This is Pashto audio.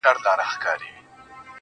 د ميني داغ ونه رسېدی.